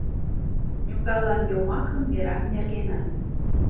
Ньогалан йомакым мераҥ нергенат.